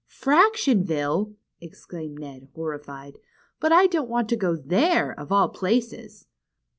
Fractionville !" exclaimed Ned, horrified. But I don't want to go there, of all places."